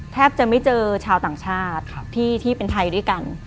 แทบจะไม่เจอชาวต่างชาติที่เป็นไทยด้วยกัน